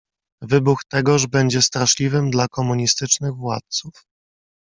"Wybuch tegoż będzie straszliwym dla komunistycznych władców."